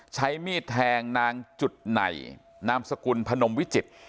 ใช้มีดแทงนางจุดไหนนามสกุลพนมวิจิตร